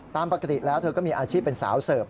ตามปกติแล้วเธอก็มีอาชีพเป็นสาวเสิร์ฟ